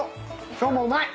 今日もうまい。